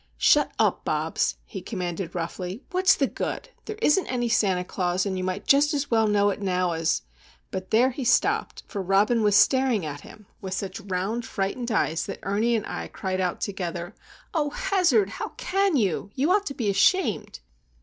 "Shut up, Bobs," he commanded, roughly. "What's the good? There isn't any Santa Claus, and you might just as well know it now, as——" but there he stopped; for Robin was staring at him with such round frightened eyes that Ernie and I cried out together,— "Oh, Hazard! how can you! You ought to be ashamed!"